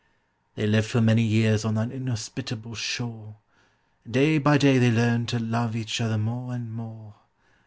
They lived for many years on that inhospitable shore, And day by day they learned to love each other more and more.